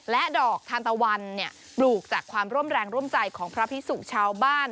ดอกทานตะวันปลูกจากความร่วมแรงร่วมใจของพระพิสุชาวบ้าน